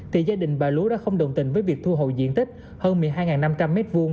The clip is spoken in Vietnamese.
thì gia đình và lưu đã không đồng tình với việc thu hội diện tích hơn một mươi hai năm trăm linh m hai